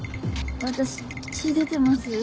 私血出てます？